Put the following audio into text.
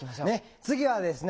次はですね